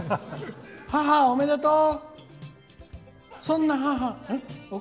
母、おめでとう！